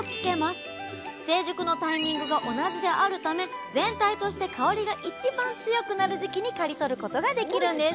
成熟のタイミングが同じであるため全体として香りが一番強くなる時期に刈り取ることができるんです